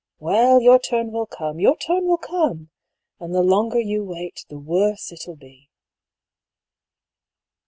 well, your turn will come, your turn will come! And the longer you wait the worse it'll be."